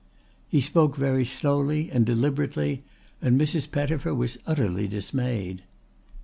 He spoke very slowly and deliberately and Mrs. Pettifer was utterly dismayed.